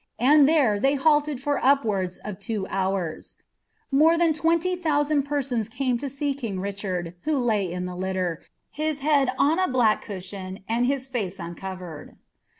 and there they halted for upwards of two hour*. Mure tlian iHcoit thousand persons came lo see king Richard, who lay in the littn, bit head on a lilaek cushion,' and his lace uncovered."'